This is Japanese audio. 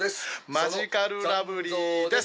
マヂカルラブリーです。